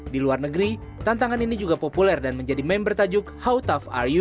di luar negeri tantangan ini juga populer dan menjadi meme bertajuk how tough riu